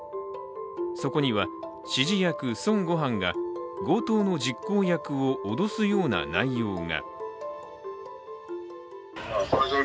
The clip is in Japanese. そこには指示役・孫悟飯が強盗の実行役を脅すような内容が。